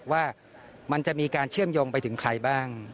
ว่ามันจะมีการเชื่อมโยงไปถึงใครบ้าง